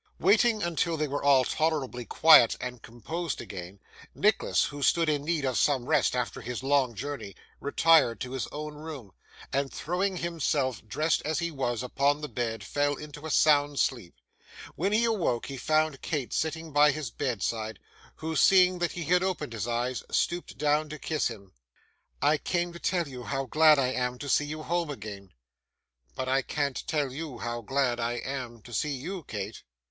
Waiting until they were all tolerably quiet and composed again, Nicholas, who stood in need of some rest after his long journey, retired to his own room, and throwing himself, dressed as he was, upon the bed, fell into a sound sleep. When he awoke, he found Kate sitting by his bedside, who, seeing that he had opened his eyes, stooped down to kiss him. 'I came to tell you how glad I am to see you home again.' 'But I can't tell you how glad I am to see you, Kate.